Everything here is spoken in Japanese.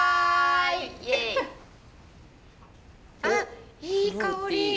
あっいい香り。